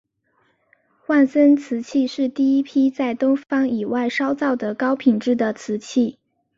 迈森瓷器是第一批在东方以外烧造的高品质的瓷器。